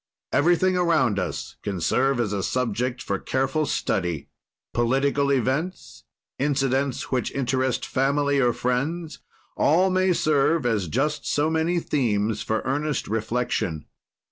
"Everything around us can serve as a subject for careful study; political events, incidents which interest family or friends, all may serve as just so many themes for earnest reflection.